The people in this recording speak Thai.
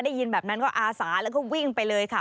ได้ยินแบบนั้นก็อาสาแล้วก็วิ่งไปเลยค่ะ